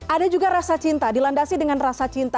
ada juga rasa cinta dilandasi dengan rasa cinta